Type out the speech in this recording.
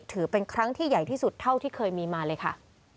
ถือเป็นครั้งที่ใหญ่ที่สุดเท่าที่เคยมีมาเลยค่ะ